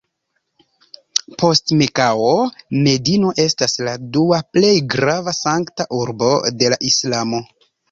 Post Mekao, Medino estas la dua plej grava Sankta Urbo de la islamo.